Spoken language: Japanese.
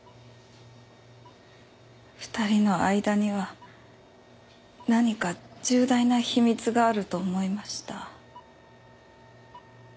２人の間には何か重大な秘密があると思いました。